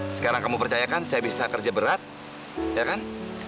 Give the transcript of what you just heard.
sekarang kamu percayakan saya bisa kerja berat ya kan